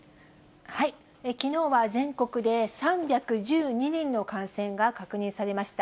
きのうは全国で３１２人の感染が確認されました。